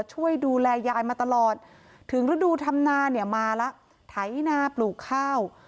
ช่วยดูแลยายมาตลอดถึงฤดูธรรมนาเนี่ยมาแล้วไถนาปลูกข้าว